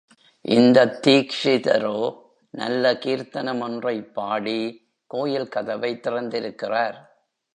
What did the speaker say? இந்தத் தீக்ஷிதரோ நல்ல கீர்த்தனம் ஒன்றைப் பாடி கோயில் கதவைத் திறந்திருக்கிறார்.